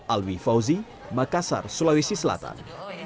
alwi fauzi makassar sulawesi selatan